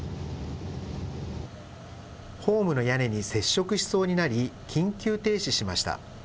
ホームの屋根に接触しそうになり、緊急停止しました。